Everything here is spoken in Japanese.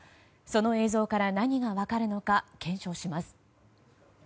その映像から何が分かるのか検証します。